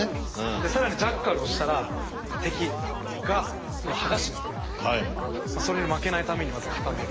更にジャッカルをしたら敵が剥がしにくるのでそれに負けないためにまず固める。